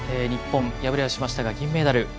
日本、敗れはしましたが銀メダル。